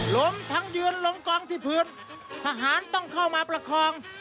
ล้มทั้งยืนลงกองที่พื้นทหารต้องเข้ามาประคอง